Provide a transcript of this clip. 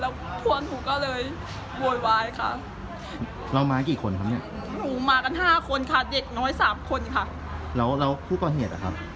แบบนั่งกินกันอยู่เฉย